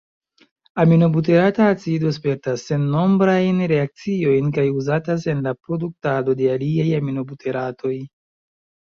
Aminobuterata acido spertas sennombrajn reakciojn kaj uzatas en la produktado de aliaj aminobuteratoj.